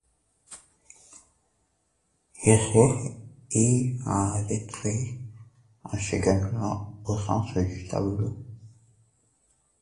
Joseph est en retrait en second plan, au centre du tableau.